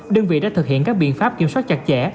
đơn vị đã thực hiện các biện pháp kiểm soát chặt chẽ